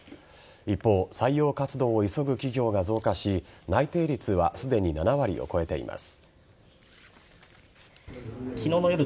一方採用活動を急ぐ企業が増加し内定率はすでに７割を超えています。